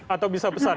atau bisa pesan